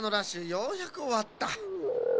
ようやくおわった。